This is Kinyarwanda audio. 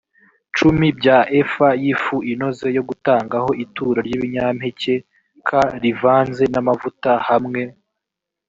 cumi bya efa y ifu inoze yo gutanga ho ituro ry ibinyampeke k rivanze n amavuta hamwe